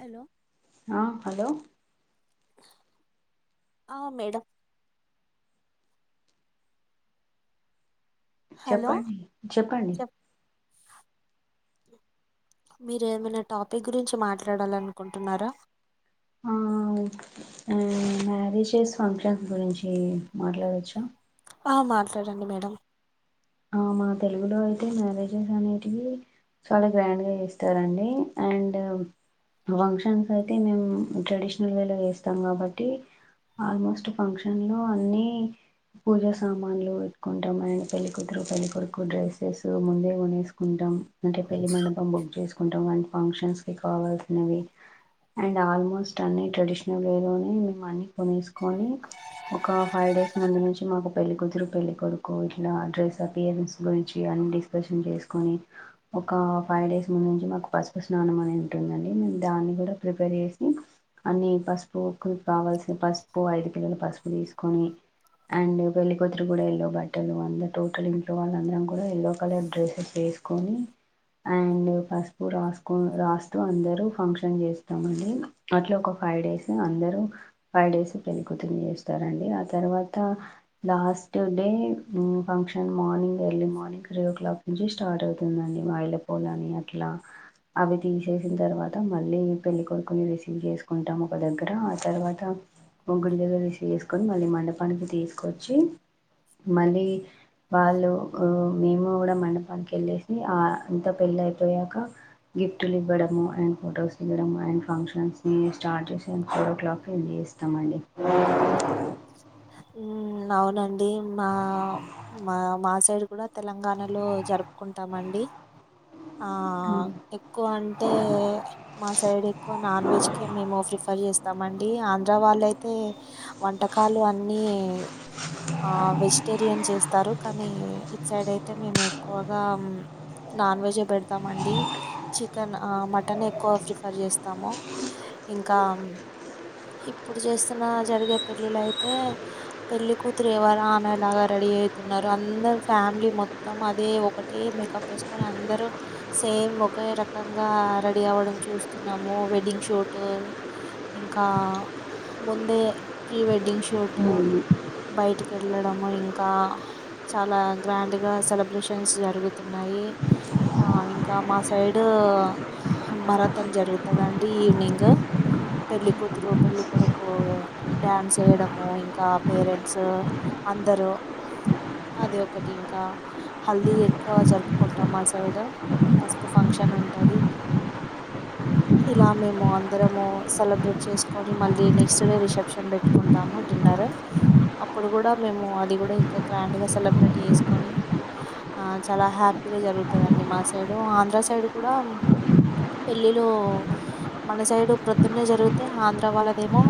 Hello ఆ hello ఆ madam hello చెప్పండి చెప్పండి చెప్ మీరేమైనా టాపిక్ గురించి మాట్లాడాలనుకుంటున్నారా మ్మ్ మ్యారేజెస్ ఫంక్షన్స్ గురించి మాట్లాడొచ్చా ఆ మాట్లాడండి మేడమ్ ఆ మా తెలుగులో అయితే మ్యారేజెస్ అనేటివి చాలా గ్రాండ్ గా చేస్తారండి అండ్ ఫంక్షన్ అయితే మేమూ ట్రెడిషనల్ వేలో వేస్తాం కాబట్టీ ఆల్మోస్ట్ ఫంక్షన్ లో అన్నీ పూజా సామాన్లు పెట్టుకుంటాం అండ్ పెళ్ కూతురు పెళ్లి కొడుకు డ్రైసెసు ముందే కొనేసుకుంటాం అంటే పెళ్లి మండపం బుక్ చేస్ కొంటం అండి ఫంక్షన్స్ కి కావాల్సినవీ అండ్ ఆల్మోస్ట్ అన్నీ ట్రెడిషనల్ వే లోనే మేము అన్ని కొనేసుకొనీ ఒక ఫై డేస్ ముందు నుంచి మాకు పెళ్లికుతురూ పెళ్లి కొడుక్కూ ఇట్లా డ్రెస్ పేరెంట్స్ గురించి అన్ని డిస్కర్షన్ చేసుకొని ఒక ఫై డేస్ ముందు నుంచి మాకు పసుపు స్నానం అనే ఉంటుందండి మేము దాన్ని కూడా ప్రిపేర్ చేసి అన్ని పసుపు కావాల్సిన పసుపు ఐదు కిలోల పసుపు తీసుకొని అండ్ పెళ్లికూతురు కూడా ఎల్లో బట్టలు అన్ని టోటల్ ఇంట్లో వాళ్ళందరం కూడా యల్లో కలర్ డ్రెస్సెస్ వేసుకొనీ అండ్ పసుపు రాసుకో రాస్తూ అందరూ ఫంక్షన్ చేస్తామండీ అట్లా ఒక ఫై డేస్ అందరూ ఫై డేస్ పెళ్లికూతుర్ని చేస్తరండీ ఆ తర్వాత లాస్ట్ డే మ్మ్ function morning early morning three o'clock నుంచి స్టార్ట్ అవుతుందండి మైలపోలు అని అట్లా అవి తీసేసిన తర్వాత మళ్ళీ పెళ్ళికొడుకుని రిసీవ్ చేసుకుంటం ఒక దగ్గర ఆ తర్వాత ముగ్గుడి దగ్గర రిసీవ్ చేసుకొని మళ్ళీ మండపానికి తీసుకొచ్చి మళ్ళీ వాళ్ళు మేము కూడా మండపానికి వెళ్ళేసి అంతా పెళ్ళ అయిపోయాక గిఫ్టులు ఇవ్వడము అండ్ ఫొటోస్ ఇవ్వడము అండ్ ఫంక్షన్స్ ని స్టార్ట్ చేసి అండ్ ఫోరో క్లాక్ ఎంజాయ్ చేస్తమండి ఊ అవునండి మా మా మా సైడ్ కూడా తెలంగాణలో జరుపుకుంటామండి ఆ ఇప్పుడు ఎక్కువ అం అయితే మా సైడ్ ఎక్కువ నాన్ వెజ్ కే మేము ప్రిఫర్ చేస్తామండీ ఆంధ్ర వాళ్ళైతే వంట కాలు అన్నీ ఆ వెజిటేరియన్ చేస్తారు కానీ ఇటు సైడ్ అయితే మేము ఎక్కువగా నాన్ వెజ్జె పెడతాం అండి చికెన్ ఆ మటన్ ఎక్కువ ప్రిఫర్ చేస్తాము ఇంకా ఇప్పుడు చేస్తున్నా జరిగే పెళ్ళిలయితే పెళ్లి కూతురు ఎవర ఆమె లాగా రెడీ అయితున్నారు అందరు ఫ్యామిలీ మొత్తం అదే ఒకటే మేకప్ వేసుకొని అందరూ సేమ్ ఒకే రకంగా రెడీ అవ్వడం చూస్తున్నాము వెడ్డింగ్ షూట్ ఇంకా ముందే ప్రీ వెడ్డింగ్ షూటు బయటికి వెళ్ళడం ఇంకా చాలా గ్రాండ్ గా సెలబ్రేషన్స్ జరుగుతున్నాయి ఆ ఇంకా మా సైడూ మరాతన్ జరుగుతదండి ఈవినింగు పెళ్ళికూతురు పెళ్ళికొడుకూ డ్యాన్స్ వేయడమూ ఇంకా పేరెంట్స్ అందరూ అది ఒకటి ఇంకా హల్దీ ఎక్కువ జరుపుకుంటాం మా సైడు పసుపు ఫంక్షన్ ఉంటది ఇలా మేము అందరమూ సెలబ్రేట్ చేసుకొని మళ్ళీ నెక్స్ట్ డే రిసెప్ షన్ పెట్టుకుంటాము డిన్నర్ అప్పుడు కూడా మేము అది కూడా ఇంకా గ్రాండ్గా సెలబ్రేట్ చేసుకొని ఆ చాలా హ్యాపీగా జరుగుతదండి మా సైడు ఆంధ్ర సైడు కూడా పెళ్ళిలో మన సైడు ప్రొద్దున్న జరుగుతే ఆంధ్ర వాళ్ళదేమో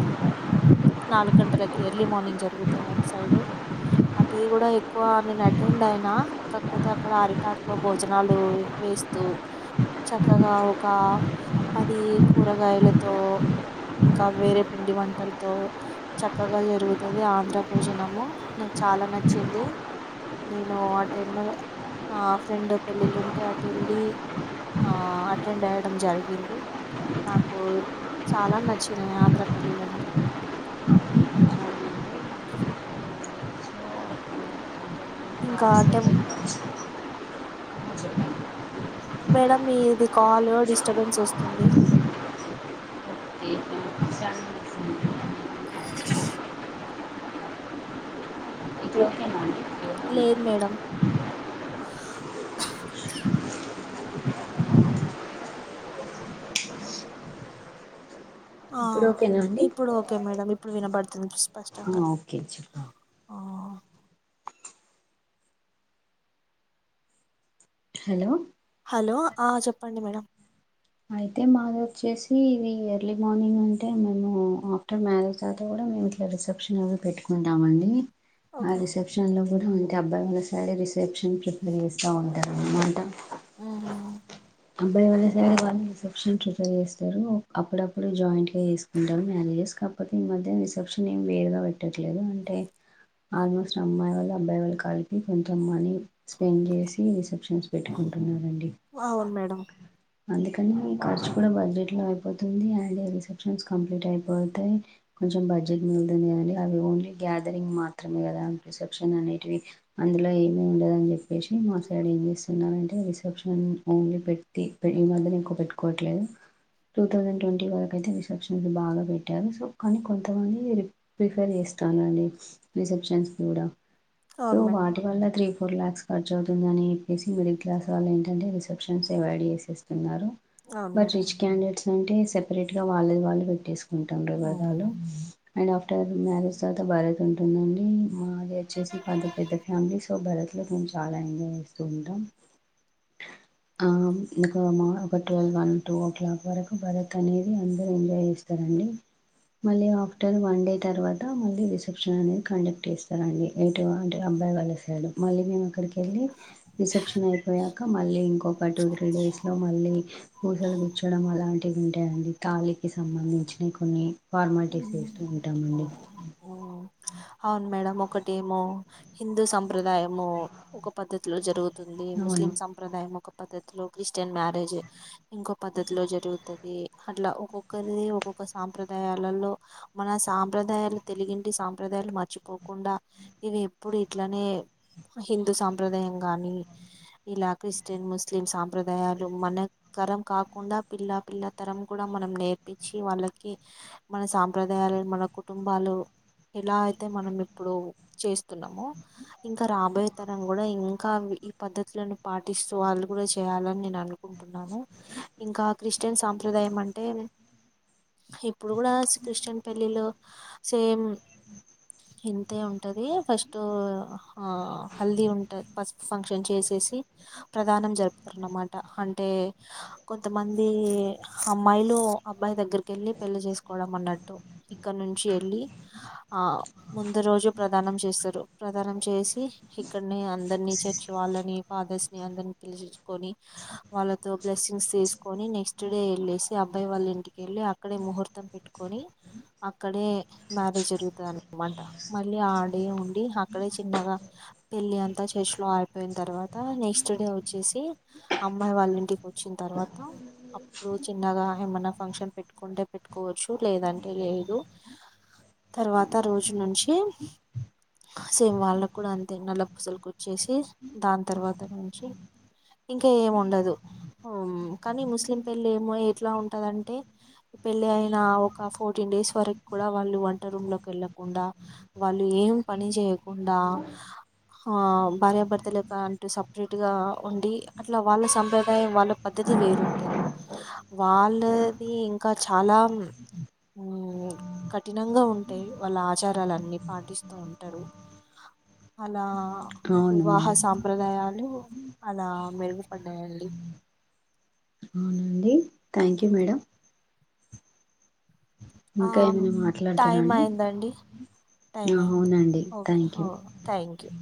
నాలుగు గంటలకి ఎర్లీ మార్నింగ్ జరుగుతాయి అటు సైడు అటుది కూడా ఎక్కువ నేను అటెండ్ అయినా కాకపోతే అక్కడ అరిటాకు లో భోజనాలు వేస్తూ చక్కగా ఒక పది కూరగాయలతో ఇంకా వేరే పిండి వం ఎంతో చక్కగా జరుగుతది ఆంధ్ర భోజనము నాకు చాలా నచ్చిందీ నేను అటు ఎన్నో ఆ ఫ్రెండ్ పెళ్ళిళ్ళు ఉంటే అటు వెళ్ళీ ఆ అటెండ్ అయడం జరిగింది నాకు చాలా నచినయి ఆంధ్ర పెళ్ళిలం టే ఇంకా టెంపు మేడమ్ మీది కాల్ డిస్టబెన్స్ ఒస్తుంది [unintelligible] ఓకేనా అండి లేద్ మేడమ్ ఆ ఇప్పుడు ఓకేనా ఇప్పుడో ఒకే మేడమ్ ఇప్పుడు వినబడుతుంది [unintelligible] ఆ ఒకే చెప్పండ్ ఆ హలో అలో ఆ చెప్పండి మేడమ్ అయితే మాది వచ్చేసీ ఇది ఎర్లీ మార్నింగ్ అంటే మేము ఆఫ్టర్ మ్యారేజ్ దాకా కూడా మేము ఇట్లా రిసెప్షన్ అవి పెట్టుకుంటామండీ ఆ ఓకే రిసెప్షన్ లో గూడా ఉంది డెబ్బైనా సరే రిసెప్షన్ ప్రిపేర్ చేస్త ఉంటారు అన్నమాట ఊహు అబ్బాయి వాళ్ళ సైడ్ వాళ్ళు రిసెప్షన్ ప్రిపేర్ చేస్తారు అప్పుడప్పుడు జాయింట్ గా చేసుకుంటారు మ్యారేజెస్ కాకపోతే ఈ మధ్య రిసెప్షన్ ఏం వేరుగా పెట్టట్లేదు అంటే ఆల్మోస్ట్ అమ్మాయి వాళ్ళు అబ్బాయి వాళ్ళు కలిపి కొంచెం మనీ స్పెండ్ చేసి రిసెప్షన్ న్సు పెట్టుకుంటున్నారండి అవును మేడం అందుకె కానీ ఖర్చు కూడా బడ్జెట్ లో అయిపోతుంది అండ్ రిసెప్షన్స్ కంప్లీట్ అయిపోతే కొంచెం బడ్జెట్ మిలుతుంది కదండి అవి ఓన్లీ గ్యాదరింగ్ మాత్రమే కదా రిసెప్షన్ అనేటివి అందులో ఏమీ ఉండదని చెప్పేసి మా సైడ్ ఏం చేస్తున్నంటే రిసెప్షన్ ఉ ఓన్లీ పెట్తి పె ఈ మధ్యన ఎక్కో పెట్టుకోవట్లేదు టూ థౌసండ్ ట్వంటీ వరకు అయితే రిసెప్షన్స్ బాగా పెట్టారు సో కానీ కొంతమంది ప్రిఫర్ చేస్తంరండి రిసెప్షన్స్ కూడా సో అవును మేడం వాటి వాళ్ళ త్రీ ఫోర్ ల్యాక్స్ ఖర్చువుతుందని చెప్పేసి మిడిల్ క్లాస్ వాళ్ళ ఏంటంటే రిసెప్షన్స్ అవయిడ్ చేసేస్తున్నారు అవును బట్ మేడం రిచ్ క్యాండేట్స్ అంటే సపరేట్ గా వాళ్ళది వాళ్ళు పెట్టేస్ కుంటండ్రుగదాలు అవును అండ్ ఆఫ్టర్ మ్యారేజ్ తర్వాత బరత్ ఉంటుందండీ మాదొచ్చేసి [unintelligible] పెద్ద ఫ్యామిలీస్ ఒ భరత్ లో మేము చాలా ఎంజాయ్ చేస్తూ ఉంటాం ఆ ఇకా మా ఒక twelve one two o'clock వరకు బరత్ అనేది అందరు ఎంజాయ్ చేస్తారండి మళ్ళీ ఆఫ్టర్ వన్ డే తర్వాత మళ్ళీ రిసెప్షన్ అనేది కండక్ట్ చేస్తారండి ఎటు అంటే అబ్బాయి వాళ్ళ సైడు మళ్ళీ మేము అక్కడికి వెళ్ళి రిసెప్షన్ అయిపోయాక మళ్ళీ ఇంకొ ఒక టూ త్రీ డేస్లో మళ్ళీ పూసలు గుచ్చడం అలాంటివి ఉంటాయండి తాళికి సంబంధించినవి కొన్ని ఫార్మాలిటీస్ చేస్తూ ఉంటామండి అవును మేడం ఒకటేమో హిందూ సం ప్రదాయము ఒక పద్ధతిలో జరుగుతుంది ముస్లిం అవును సంప్రదాయం ఒక పద్దతిలో క్రిస్టిన్ మ్యారేజ్ ఇంకో పద్ధతిలో జరుగుతది అట్లా ఒక్కొక్కది ఒక్కొక్క సాంప్రదాయాలలో మన సాంప్రదాయాలు తెలిగింటి సా సాంప్రదాయాలు మర్చిపోకుండా ఇవి ఎప్పుడు ఇట్లానే హిందూ సాంప్రదాయం గానీ, ఇలా క్రిస్టియన్, ముస్లిం సాంప్రదాయాలు మన తరం కాకుండా పిల్ల పిల్ల తరం కూడా మనం నేర్పించి వాళ్ళకి మన సాంప్రదాయాలు మన కుటుంబాలు ఎలా అయితే మనం ఇప్పుడు చేస్తున్నామో ఇంకా రాబోయే తరం కూడా ఇం ఇంకా ఈ పద్ధతులను పాటిస్తూ వాళ్ళు కూడా చేయాలని నేను అనుకుంటున్నాను ఇంకా క్రిస్టియన్ సాంప్రదాయం అంటే ఇప్పుడు కూడా క్రిస్టియన్ పెళ్ళి లో సేమ్ ఇంతే ఉంటాది ఫస్ట్ ఆ హల్దీ ఉంటది పసుపు ఫంక్షన్ చేసేసి ప్రధానం జరుపుతారు అన్నమాట అంటే కొంతమంది అమ్మాయిలు అబ్బాయి దగ్గరికి వెళ్ళి పెళ్లి చేసుకోవడం అన్నట్టు ఇక్కడ నుంచి వెళ్ళి ఆ ముందు రోజు ప్రదానం చేస్తారు ప్రదానం చేసి ఇక్కడనే అందరినీ చర్చి వాళ్ళని ఫాదర్స్ ని అందరిని పెలిపించుకొని వాళ్ళతో బ్లెస్సింగ్స్ తీసుకొని నెక్స్ట్ డే వెళ్ళేసి అబ్బాయి వాళ్ళ ఇంటికి వెళ్ళి అక్కడే ముహూర్తం పెట్టుకొని అక్కడే మ్యారేజ్ జరుగుతుంది అంతే అన్నమాట మళ్ళీ అడే ఉండి, అక్కడే చిన్నగా పెళ్లి అంతా చెర్చిలో ఆయిపోయిన తర్వాత నెక్స్ట్ డే వచ్చేసి అమ్మాయి వాళ్ళింటికి వచ్చిన తర్వాత అప్పుడు చిన్నగా ఏమన్నా ఫంక్షన్ పెట్టుకుంటే పెట్టుకోవచ్చు లేదంటే లేదు తర్వాత రోజు నుంచి సేమ్ వాళ్ళకు కూడా అంతే నల్ల పూసలుకుచ్చేసి దాని తర్వాత నుంచి ఇంకా ఏమి ఉండదు కానీ ముస్లిం పెళ్ళి ఏమో ఎట్లా ఉంటందంటే పెళ్ళి అయిన ఒక ఫోర్టీన్ డేస్ వరకు కూడా వాళ్ళు వ ఒకే రూమ్ లోకి వెళ్ళకుండా వాళ్ళు ఏం పని చేయకుండా ఆ భార్యాభర్తల క అంటూ సపరేట్గా ఉండి అట్లా వాళ్ళ సంప్రదాయం వాళ్ళ పద్ధతి వేరుంటది వాళ్ళది ఇంకా చాలా ఉ కఠినంగా ఉ అంటే వాళ్ళ ఆచారాలన్ని పాటిస్తూ ఉంటారు. అలా అవును వివాహ మేడం సాంప్రదాయాలు అలా మెరుగు పడ్డాయి అండి అవునండి థ్యాంక్ యూ మేడం ఇంకా ఆమ్ ఏమైనా మాట్లాడతారా టైమ్ అండి అయిందండి టైమ్ అయింది అవునండి ఓకే థ్యాంక్ ఓ యూ థ్యాంక్ యూ